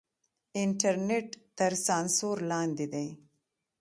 انټرنېټ تر سانسور لاندې دی.